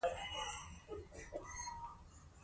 دا بنسټونه د اقتصادي ودې او پرمختګ په برخه کې ارزښتناک وو.